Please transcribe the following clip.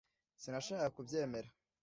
Sinashakaga kubyemera